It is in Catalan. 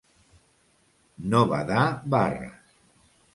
No badar barres.